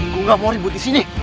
gue gak mau ribut disini